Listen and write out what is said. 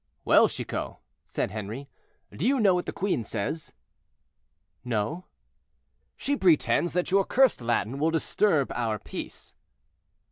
"Well, Chicot," said Henri, "do you know what the queen says?" "No." "She pretends that your cursed Latin will disturb our peace."